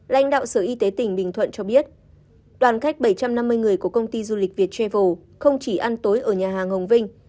lãnh đạo sở y tế tỉnh bình thuận cho biết đoàn khách bảy trăm năm mươi người của công ty du lịch việt travel không chỉ ăn tối ở nhà hàng hồng vinh